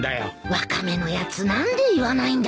ワカメのやつ何で言わないんだ？